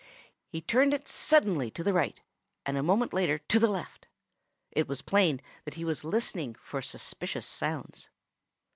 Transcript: He turned it suddenly to the right and a moment later to the left. It was plain that he was listening for suspicious sounds.